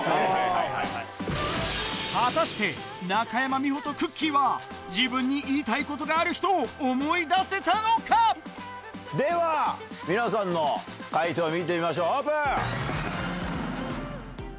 中山美穂とくっきー！は自分に言いたいことがある人をでは皆さんの解答見てみましょうオープン！